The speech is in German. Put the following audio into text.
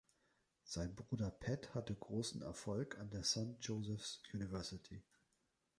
Sein Bruder Pat hatte großen Erfolg an der Saint Joseph's University.